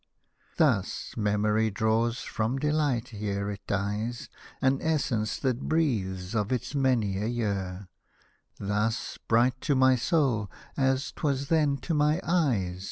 Thus memory draws from delight, ere it dies, An essence that breathes of it many a year ; Thus bright to my soul, as 'twas then to my eyes.